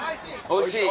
おいしい。